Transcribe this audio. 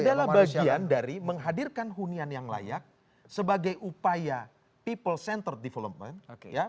jadi ini adalah bagian dari menghadirkan hunian yang layak sebagai upaya people centered development